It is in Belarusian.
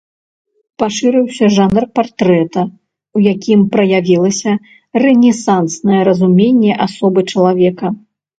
Пашырыўся жанр партрэта, у якім праявілася рэнесанснае разуменне асобы чалавека.